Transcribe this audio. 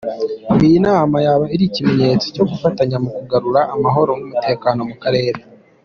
Iyi nama yaba ari ikimenyetso cyo gufatanya mu kugarura amahoro n’umutekano mu karere.